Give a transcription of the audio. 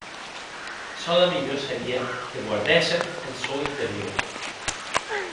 Çò de milhor serie que guardèssem en sòn interior.